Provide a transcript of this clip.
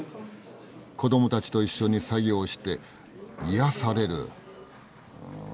子どもたちと一緒に作業して癒やされるうん